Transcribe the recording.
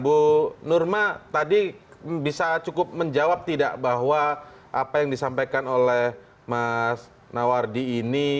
bu nurma tadi bisa cukup menjawab tidak bahwa apa yang disampaikan oleh mas nawardi ini